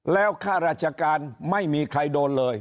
แล้วข้าราชการไม่มีใครโดนเลย